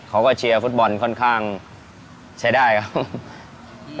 เขาก็เชียร์ฟุตบอลขอย่างค่อนข้างใช้ได้ครับ